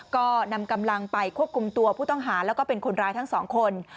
ก็นำกำลังไปควบคุมตัวผู้ต้องหาแล้วก็เป็นคนร้ายทั้งสองคน